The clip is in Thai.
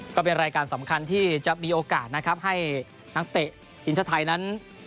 ก็เป็นรายการสำคัญที่จะมีโอกาสนะครับให้นักเตะทีมชาติไทยนั้น